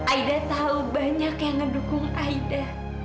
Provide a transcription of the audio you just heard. aida tahu banyak yang ngedukung aida